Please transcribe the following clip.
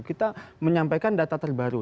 kita menyampaikan data terbaru